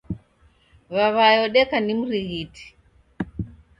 W'aw'aye odeka ni mrighitiaa